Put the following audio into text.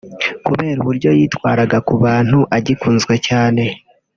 Kubera uburyo yitwaraga ku bantu agikunzwe cyane